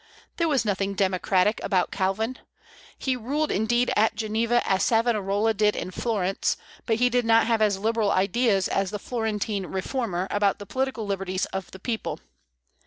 There was nothing democratic about Calvin. He ruled indeed at Geneva as Savonarola did in Florence, but he did not have as liberal ideas as the Florentine reformer about the political liberties of the people.